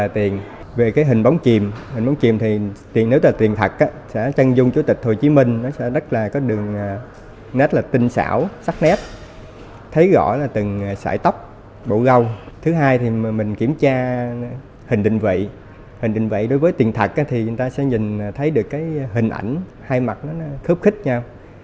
tiền thật thì người ta sẽ nhìn thấy được cái hình ảnh hai mặt nó khớp khích nhau